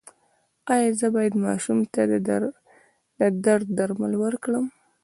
ایا زه باید ماشوم ته د درد درمل ورکړم؟